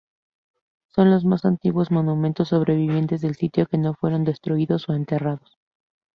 Son los más antiguos monumentos sobrevivientes del sitio que no fueron destruidos o enterrados.